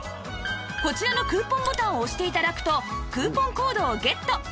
こちらのクーポンボタンを押して頂くとクーポンコードをゲット